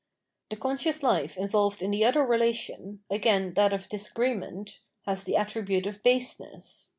The conscious life involved in the other relation, again, that of disagreement, has the attribute of Baseness.